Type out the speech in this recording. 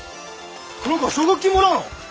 黒川奨学金もらうの？